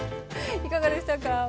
いかがでしたか？